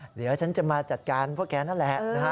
เดี๋ยวฉันจะมาจัดการพวกแกนั่นแหละนะฮะ